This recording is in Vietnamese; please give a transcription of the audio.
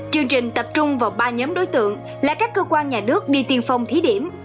chương trình tập trung vào ba nhóm đối tượng là các cơ quan nhà nước đi tiên phong thí điểm